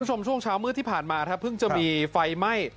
ส่วนช่วงเช้ามืดที่ผ่านมาเพิ่งจะมีไฟไหม้